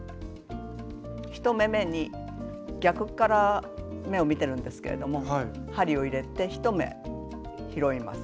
１目めに逆から目を見てるんですけれども針を入れて１目拾います。